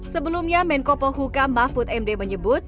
sebelumnya menko polhuka mahfud md menyebut